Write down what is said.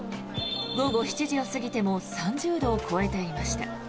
午後７時を過ぎても３０度を超えていました。